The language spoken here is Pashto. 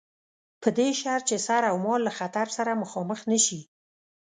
په دې شرط چې سر اومال له خطر سره مخامخ نه شي.